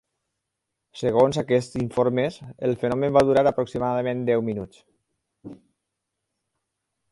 Segons aquests informes, el fenomen va durar aproximadament deu minuts.